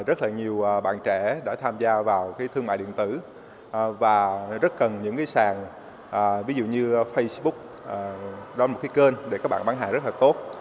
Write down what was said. rất là nhiều bạn trẻ đã tham gia vào thương mại điện tử và rất cần những cái sàn ví dụ như facebook đó là một cái kênh để các bạn bán hàng rất là tốt